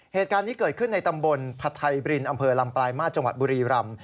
เหตุการณ์นี้เกิดขึ้นในตำบลผัดไทยบรินอำเภอลำปลายมาตรจังหวัดบุรีรำ